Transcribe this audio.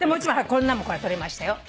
こんなんも撮りましたよ。